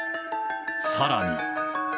さらに。